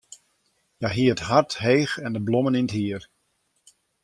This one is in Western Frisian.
Hja hie it hart heech en blommen yn it hier.